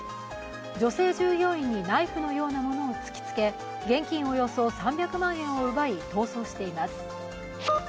女性従業員にナイフのようなものを突きつけ、現金およそ３００万円を奪い、逃走しています。